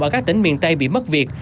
ở các tỉnh miền tây bị mất việc